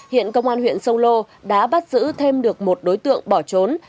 hiện công an huyện sông lô đã bắt giữ thêm được một đối tượng bỏ trốn